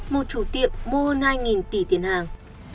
một chủ tiệm mua hơn hai tỷ tiền hàng